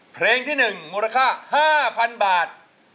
เพลงที่๑มูลค่า๕๐๐๐บาท